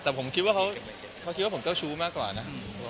แต่ผมคิดว่าเขาคิดว่าผมเจ้าชู้มากกว่านะ